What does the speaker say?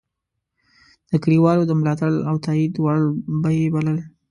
د کلیوالو د ملاتړ او تایید وړ به یې بلل.